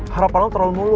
harapan lo terlalu mulu